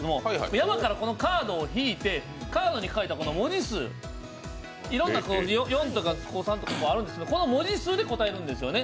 山からカードを引いてカードに書いた文字数、４とか３とかあるんですけどこの文字数で答えるんですよね。